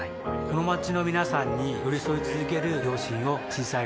この街の皆さんに寄り添い続ける両親を小さい頃から見ていました